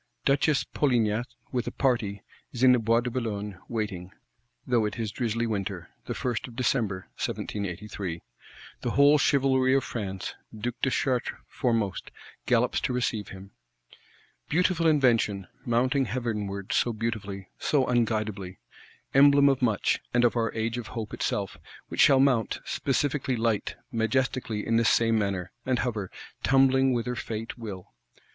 Duchess Polignac, with a party, is in the Bois de Boulogne, waiting; though it is drizzly winter; the 1st of December 1783. The whole chivalry of France, Duke de Chartres foremost, gallops to receive him. Beautiful invention; mounting heavenward, so beautifully,—so unguidably! Emblem of much, and of our Age of Hope itself; which shall mount, specifically light, majestically in this same manner; and hover,—tumbling whither Fate will.